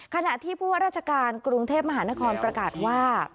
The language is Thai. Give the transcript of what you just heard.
ขณะที่ผู้วาสรรจการกรุงเทพฯมคอนประกาศว่า